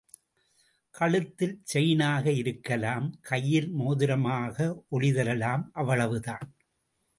கழுத்தில் செயினாக இருக்கலாம் கையில் மோதிரமாக ஒளி தரலாம் அவ்வளவுதான்.